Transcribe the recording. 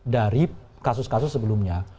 dari kasus kasus sebelumnya